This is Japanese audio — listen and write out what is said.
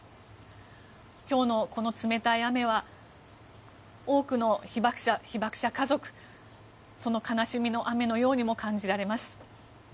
今日のこの冷たい雨は多くの被爆者、被爆者家族その悲しみの雨のようにも感じられます。